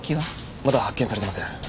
まだ発見されてません。